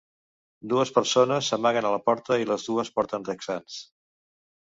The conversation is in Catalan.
Dues persones s'amaguen a la porta i les dues porten texans.